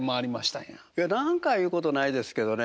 いや何回いうことないですけどね。